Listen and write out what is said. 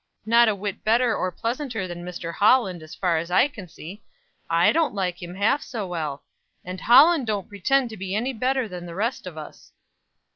"Not a whit better or pleasanter than Mr. Holland, as far as I can see. I don't like him half so well. And Holland don't pretend to be any better than the rest of us."